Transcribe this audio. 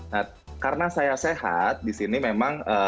nah karena saya sehat di sini memang